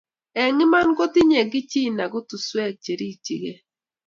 eng iman kotinyei Kichina kotoswek cherikchigei